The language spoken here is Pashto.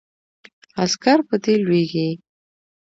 عسکر په دې لویږي.